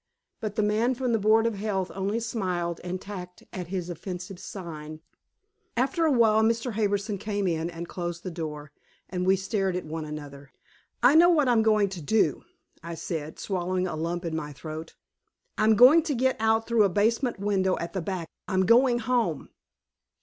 But the man from the board of health only smiled and tacked at his offensive sign. After a while Mr. Harbison came in and closed the door, and we stared at one another. "I know what I'm going to do," I said, swallowing a lump in my throat. "I'm going to get out through a basement window at the back. I'm going home."